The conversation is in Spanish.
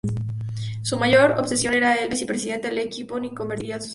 Su mayor obsesión era que el vicepresidente, Lee Ki-poong, se convirtiera en el sucesor.